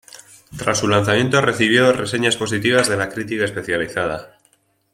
Tras su lanzamiento recibió reseñas positivas de la crítica especializada.